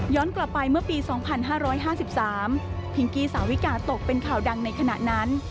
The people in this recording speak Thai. กลับไปเมื่อปี๒๕๕๓พิงกี้สาวิกาตกเป็นข่าวดังในขณะนั้น